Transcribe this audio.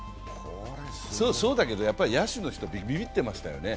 そうだけど、やっぱり野手の人はビビってましたよね。